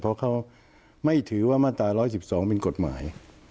เพราะเขาไม่ถือว่ามาตรา๑๑๒เป็นกฎหมาย